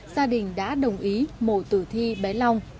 gia đình đã đồng ý mổ tử thi bé long